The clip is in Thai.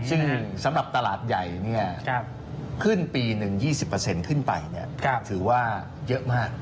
ซึ่งสำหรับตลาดใหญ่เนี่ยขึ้นปีหนึ่ง๒๐เปอร์เซ็นต์ขึ้นไปเนี่ยถือว่าเยอะมาก